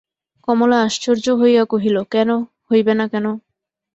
কমলা আশ্চর্য হইয়া কহিল, কেন, হইবে না কেন?